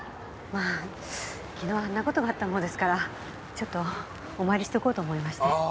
まあ昨日あんな事があったもんですからちょっとお参りしとこうと思いまして。